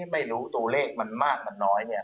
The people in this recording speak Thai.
ไม่รู้ตัวเลขมันมากมันน้อย